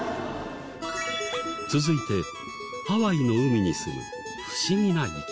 続いてハワイの海にすむ不思議な生き物。